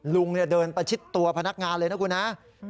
ลุงเดินไปชิดตัวพนักงานเลยนะครับ